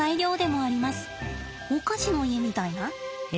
お菓子の家みたいな？